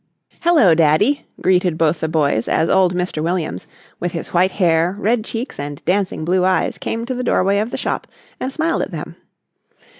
"Hello, Daddy," greeted both the boys, as old Mr. Williams, with his white hair, red cheeks and dancing blue eyes, came to the doorway of the shop and smiled at them.